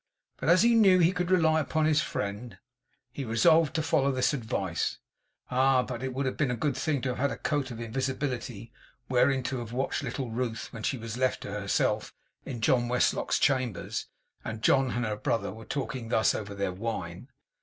But as he knew he could rely upon his friend, he resolved to follow this advice. Ah, but it would have been a good thing to have had a coat of invisibility, wherein to have watched little Ruth, when she was left to herself in John Westlock's chambers, and John and her brother were talking thus, over their wine!